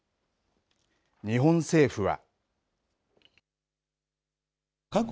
日本政府は。